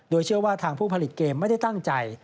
โดยเชื่อว่าทางผู้ผลิตเกมไม่ได้ตั้งใจ